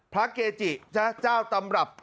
พระเกจิเจ้าตำรับ